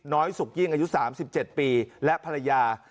สุกยิ่งอายุ๓๗ปีและภรรยา